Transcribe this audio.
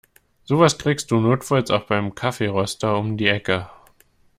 Sowas kriegst du notfalls auch beim Kaffeeröster um die Ecke.